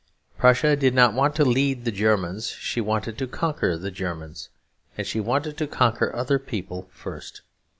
Prussia did not want to lead the Germans: she wanted to conquer the Germans. And she wanted to conquer other people first.